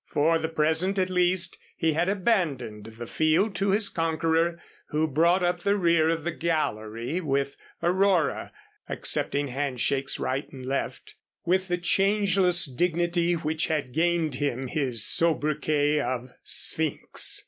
For the present, at least, he had abandoned the field to his conqueror who brought up the rear of the "gallery" with Aurora, accepting handshakes right and left with the changeless dignity which had gained him his sobriquet of "Sphynx."